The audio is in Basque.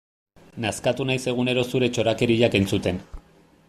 Nazkatu naiz egunero zure txorakeriak entzuten.